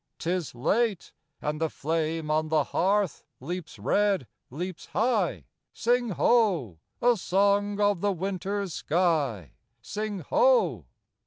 'tis late!" And the flame on the hearth leaps red, leaps high Sing, Ho, a song of the winter sky! Sing, Ho!